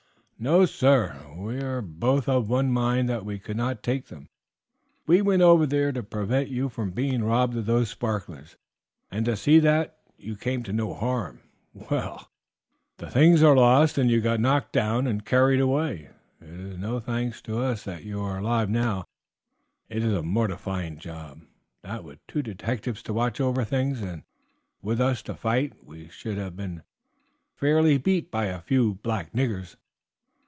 "No, sir. We are both of one mind that we could not take them. We went over to prevent you being robbed of those sparklers, and to see that you came to no harm. Well, the things are lost, and you got knocked down and carried away. It is no thanks to us that you are alive now. It is a mortifying job, that with two detectives to watch over things and with us to fight we should have been fairly beat by a few black niggers."